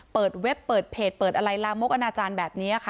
เว็บเปิดเพจเปิดอะไรลามกอนาจารย์แบบนี้ค่ะ